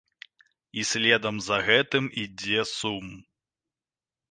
І следам за гэтым ідзе сум.